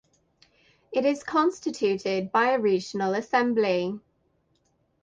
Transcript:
It is constituted by a "Regional Assembly".